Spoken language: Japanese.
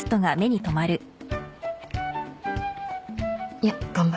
いや頑張る。